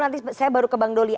nanti saya baru ke bang doli